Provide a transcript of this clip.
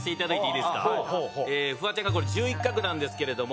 フワちゃん１１画なんですけれども。